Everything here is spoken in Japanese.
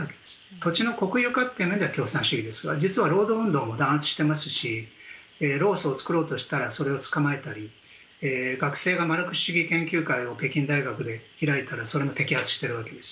土地の国有化というのは共産主義ですが実は労働運動も弾圧していますし労組を作ろうとしたらそれを捕まえたり学生がマルクス主義研究会を北京大学で開いたらそれも摘発しているわけです。